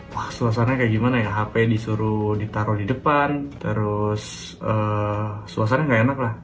wah suasana kayak gimana ya hp disuruh ditaruh di depan terus suasana nggak enak lah